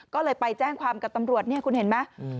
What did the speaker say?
ก็เลยไปแจ้งความกับตำรวจเนี่ยคุณเห็นไหม